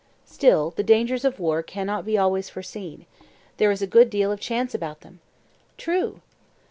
Still, the dangers of war cannot be always foreseen; there is a good deal of chance about them? True.